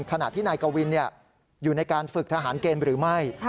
ขณะที่นายกวินอยู่ในการฝึกทหารเกณฑ์หรือไม่